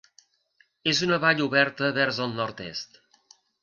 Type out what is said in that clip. És una vall oberta vers el nord-est.